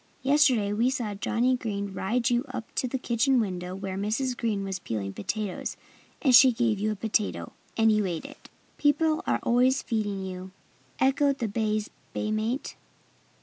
Yesterday we saw Johnnie Green ride you up to the kitchen window where Mrs. Green was peeling potatoes. And she gave you a potato. And you ate it." "People are always feeding you," echoed the bay's bay mate.